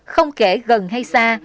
không kể gần hay xa